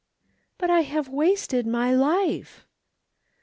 " But I have wasted my life."